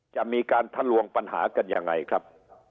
จะมีการทะลวงปัญหากันยังไงครับ